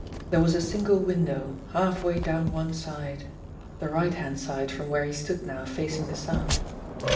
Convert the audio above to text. There was a single window, halfway down one side the right hand side from where he stood now facing the Sound.